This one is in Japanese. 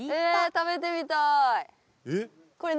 食べてみたい